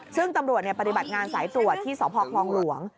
ซึ่งตำรวจปฏิบัติงานสายตรวจที่สพคลองหลวง